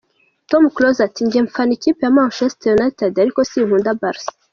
Tom Close ati: “Njye mfana ikipe ya Manchester United ariko sinkunda Barca!”.